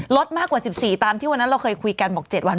ลดมากกว่า๑๔ตามที่วันนั้นเราเคยคุยกันบอก๗วัน